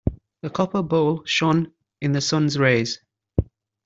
The copper bowl shone in the sun's rays.